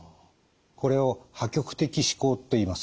これを破局的思考といいます。